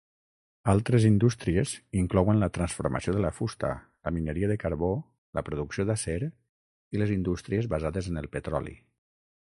Altres indústries inclouen la transformació de la fusta, la mineria de carbó, la producció d'acer i les indústries basades en el petroli.